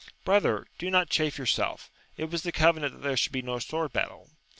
Brother, do not chafe yoiurself ; it was the covenant that there should be no sword battle.